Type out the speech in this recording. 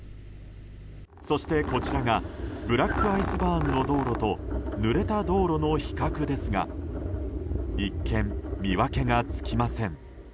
そしてこちらがブラックアイスバーンの道路とぬれた道路の比較ですが一見、見分けがつきません。